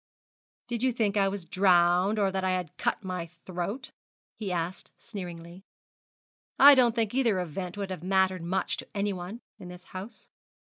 'Did you think I was drowned, or that I had cut my throat?' he asked, sneeringly. 'I don't think either event would have mattered much to anyone in this house.'